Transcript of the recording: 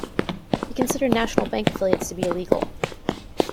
He considered national bank affiliates to be illegal.